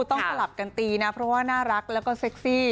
ต้องสลับกันตีนะเพราะว่าน่ารักแล้วก็เซ็กซี่